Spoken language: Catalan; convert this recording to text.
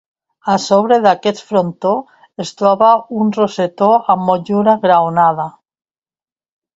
A sobre d'aquest frontó es troba un rosetó amb motllura graonada.